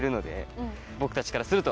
と僕たち。